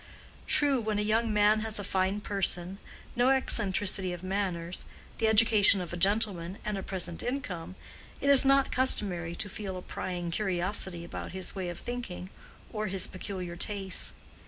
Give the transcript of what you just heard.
True, when a young man has a fine person, no eccentricity of manners, the education of a gentleman, and a present income, it is not customary to feel a prying curiosity about his way of thinking, or his peculiar tastes.